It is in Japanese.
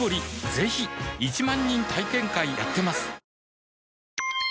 ぜひ１万人体験会やってますはぁ。